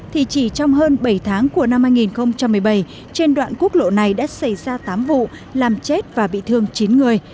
thì chỉ trong hơn bảy tháng của năm hai nghìn một mươi bảy trên đoạn quốc lộ này đã xảy ra tám vụ làm chết và bị thương chín người